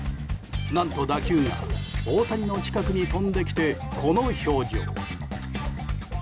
何と打球が大谷の近くに飛んできて、この表情。